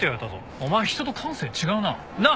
お前人と感性違うな。なあ？